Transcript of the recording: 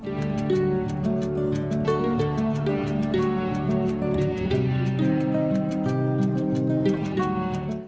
hãy đăng ký kênh để ủng hộ kênh của mình nhé